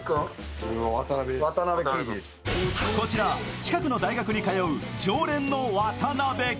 近くの大学に通う常連の渡辺君。